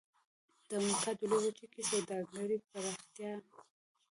د امریکا لویې وچې کې د سوداګرۍ پراختیا.